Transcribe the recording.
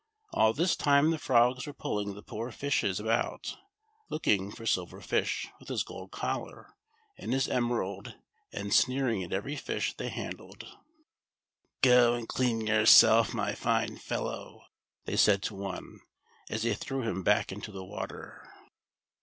All this time the frogs were pulling the poor fishes about, looking for Silver Fish with his gold collar and his emerald, and sneering at every fish they handled. " Go and clean yourself, my fine fellow," they said to one, as they threw him back into the water.